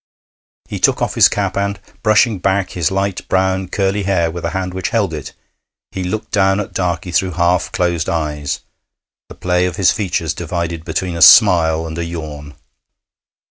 He took off his cap, and brushing back his light brown curly hair with the hand which held it, he looked down at Darkey through half closed eyes, the play of his features divided between a smile and a yawn.